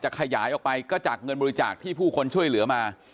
ขยายออกไปก็จากเงินบริจาคที่ผู้คนช่วยเหลือมา